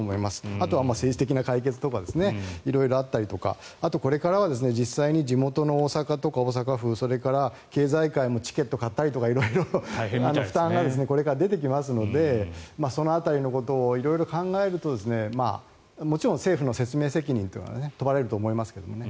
あとは政治的な解決とか色々あったりとかあとこれからは実際に地元の大阪府それから経済界もチケットを買ったりとか色々負担がこれから出てきますのでその辺りのことを色々考えるともちろん政府の説明責任というのは問われると思いますけどね。